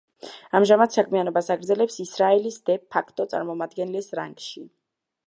ამჟამად საქმიანობას აგრძელებს ისრაელის დე-ფაქტო წარმომადგენლის რანგში.